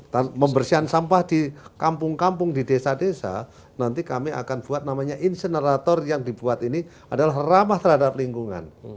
dan membersihan sampah di kampung kampung di desa desa nanti kami akan buat namanya insenerator yang dibuat ini adalah ramah terhadap lingkungan